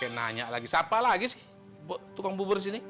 ya oke nanya lagi siapa lagi sih tukang bubur disini